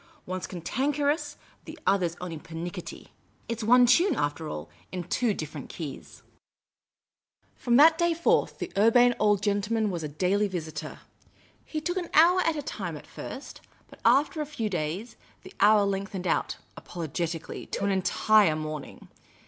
One 's cantanker ous ; the other 's only pernicketty. It 's one tune, after all, in two different key.s." From that day forth, the Urbane Old Gentleman was a The Urbane Old Gentleman i6 daily visitor. He took an hour at a time at first ; but after a few days, the hour lengthened out (apologetically) to an entire morning.